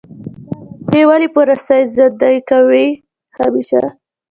دا وږمې ولې په رسۍ زندۍ کوې همیشه؟